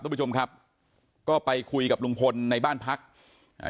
ทุกผู้ชมครับก็ไปคุยกับลุงพลในบ้านพักอ่า